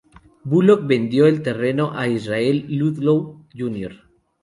Bullock vendió el terreno a Israel Ludlow, Jr.